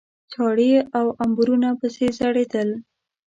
چاړې او امبورونه پسې ځړېدل.